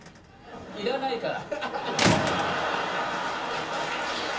いらないから。